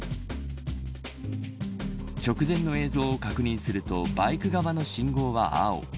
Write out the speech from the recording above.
直前の映像を確認するとバイク側の信号は青。